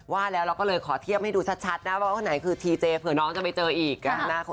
ว่าแล้วเราก็เลยขอเทียบให้ดูชัดนะว่าคนไหนคือทีเจเผื่อน้องจะไปเจออีก